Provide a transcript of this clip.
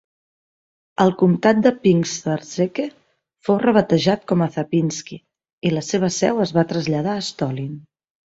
El comtat de Pinsk-Zarzeche fou rebatejat com a Zapynsky i la seva seu es va traslladar a Stolin.